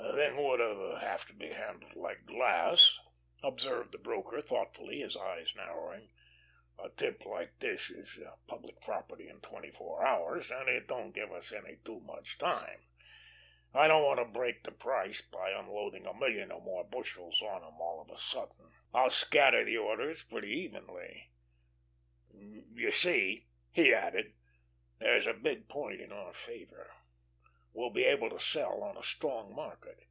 "The thing would have to be handled like glass," observed the broker thoughtfully, his eyes narrowing "A tip like this is public property in twenty four hours, and it don't give us any too much time. I don't want to break the price by unloading a million or more bushels on 'em all of a sudden. I'll scatter the orders pretty evenly. You see," he added, "here's a big point in our favor. We'll be able to sell on a strong market.